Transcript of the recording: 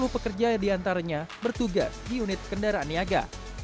sembilan puluh pekerja di antaranya bertugas di unit kendaraan niaga